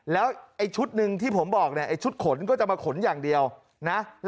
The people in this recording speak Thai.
แล้วไอ้ชุดหนึ่งที่ผมบอกเนี่ยไอ้ชุดขนก็จะมาขนอย่างเดียวนะ